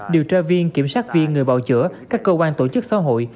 điều tra viên kiểm sát viên người bảo chữa các cơ quan tổ chức xã hội